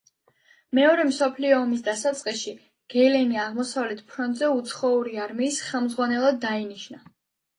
მეორე მსოფლიო ომის დასაწყისში გელენი აღმოსავლეთ ფრონტზე უცხოური არმიის ხელმძღვანელად დაინიშნა.